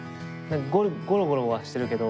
ゴロゴロはしてるけど。